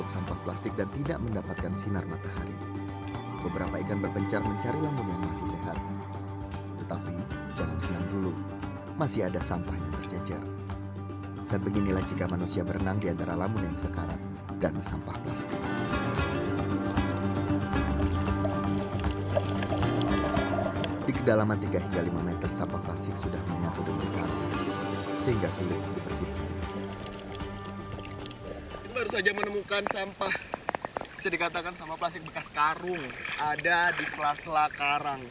sampah plastik bekas karung ada di sela sela karang